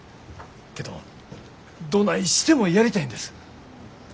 けどどないしてもやりたいんです。